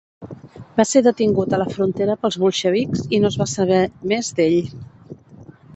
Va ser detingut a la frontera pels bolxevics, i no es va saber més d'ell.